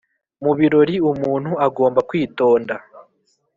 mu birori umuntu agomba kwitonda,